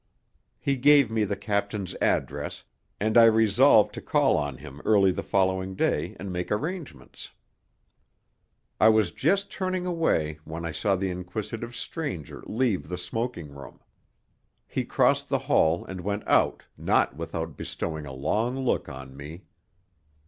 He gave me the captain's address, and I resolved to call on him early the following day and make arrangements. I was just turning away when I saw the inquisitive stranger leave the smoking room. He crossed the hall and went out, not without bestowing a long look on me.